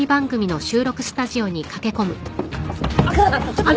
ちょっと。